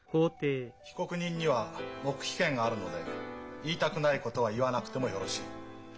被告人には黙秘権があるので言いたくないことは言わなくてもよろしい。